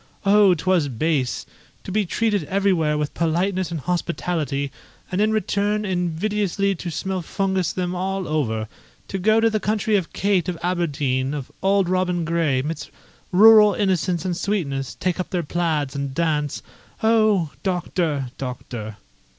Oh, 'twas base! to be treated everywhere with politeness and hospitality, and in return invidiously to smellfungus them all over; to go to the country of Kate of Aberdeen, of Auld Robin Gray, 'midst rural innocence and sweetness, take up their plaids, and dance. Oh! Doctor, Doctor!"